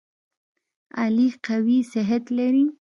علي قوي صحت لري.